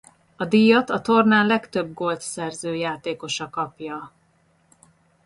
A díjat a tornán legtöbb gólt szerző játékosa kapja.